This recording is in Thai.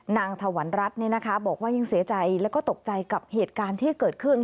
นางถวรรณรัฐเนี่ยนะคะบอกว่ายิ่งเสียใจแล้วก็ตกใจกับเหตุการณ์ที่เกิดขึ้น